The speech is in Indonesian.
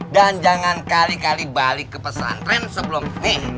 dan jangan kali kali balik ke pesantren sebelum nih